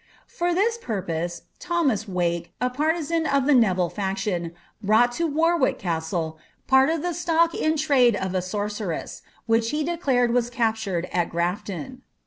For this purpose, Thomas Wake, a partisan of the Neville fac tion, brought to Warwick Castle part of the stock in trade of a soree ress, which he declared was captured at GrafVon.'